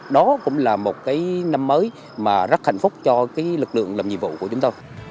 đó cũng là một cái năm mới mà rất hạnh phúc cho cái lực lượng làm nhiệm vụ của chúng tôi